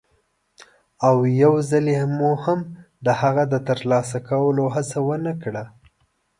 او یوځلې مو هم د هغه د ترسره کولو هڅه هم ونه کړه.